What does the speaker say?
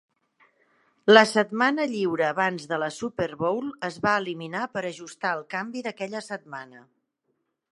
La setmana lliure abans de la Super Bowl es va eliminar per ajustar el canvi d'aquella setmana.